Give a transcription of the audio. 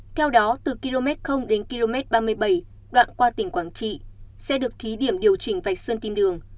theo đó từ km đến km ba mươi bảy đoạn qua tỉnh quảng trị sẽ được thí điểm điều chỉnh vạch sơn kim đường